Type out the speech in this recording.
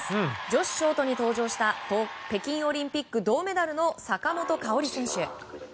女子ショートに登場した北京オリンピック銅メダルの坂本花織選手。